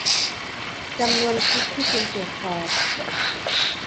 จำนวนคลิปที่คุณตรวจสอบ